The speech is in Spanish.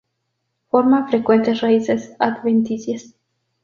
Forma frecuentes raíces adventicias.